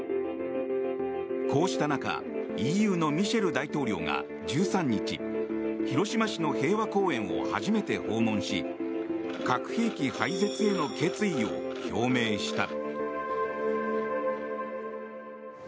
こうした中ＥＵのミシェル大統領が１３日、広島市の平和記念公園を初めて訪問し核兵器廃絶への決意を表明した。